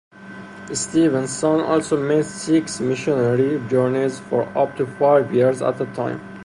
Stevenson also made six missionary journeys, for up to five years at a time.